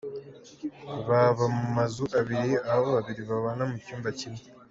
Baba mu mazu abiri aho babiri babana mu cyumba kimwe.